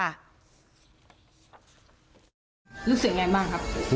รู้สึกยังไงบ้างครับ